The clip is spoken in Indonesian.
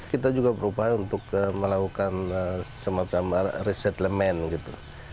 kita juga berupaya untuk melakukan semacam resit lemen gitu